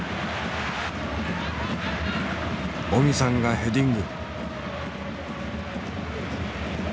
オミさんがヘディング。